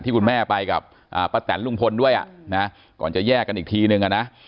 คุณแม่ไปกับป้าแตนลุงพลด้วยนะก่อนจะแยกกันอีกทีนึงอ่ะนะ